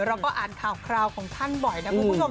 เราก็อ่านข่าวของท่านบ่อยนะพวกผู้ชม